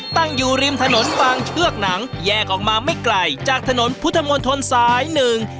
ตั้งอยู่ริมถนนบางเชือกหนังแยกออกมาไม่ไกลจากถนนพุทธมนตรสายหนึ่ง